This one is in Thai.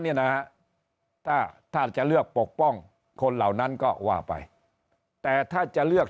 เนี่ยนะฮะถ้าถ้าจะเลือกปกป้องคนเหล่านั้นก็ว่าไปแต่ถ้าจะเลือก